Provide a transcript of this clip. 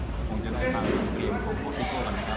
คงจะได้ฟังหลังเกมของโฮซิโก้ก่อนนะครับ